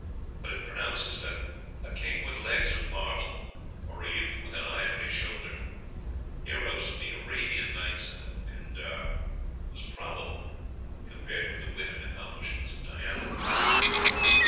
But it pronounces that "a king with legs of marble, or a youth with an ivory shoulder," heroes of the "Arabian Nights" and of Pindar, was probable, compared with the wit and accomplishments of Diana.